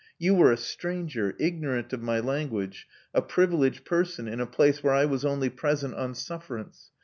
You were a stranger, ignorant of my language, a privileged person in a place where I was only present on sufferance.